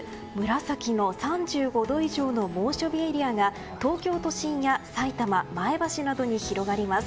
紫の３５度以上の猛暑日エリアが東京都心やさいたま前橋などに広がります。